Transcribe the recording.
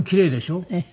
ええ。